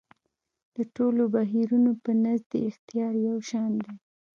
د ټولو بهیرونو په نزد یې اعتبار یو شان دی.